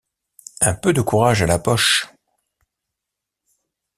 Un peu de courage à la poche!